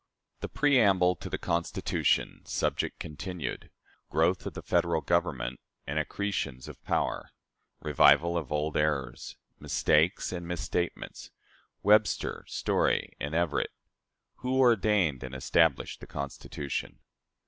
The Preamble to the Constitution subject continued. Growth of the Federal Government and Accretions of Power. Revival of Old Errors. Mistakes and Misstatements. Webster, Story, and Everett. Who "ordained and established" the Constitution?